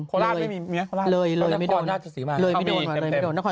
จ้ะเนี่ยไม่มาได้เลย